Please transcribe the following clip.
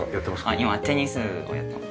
今テニスをやってます。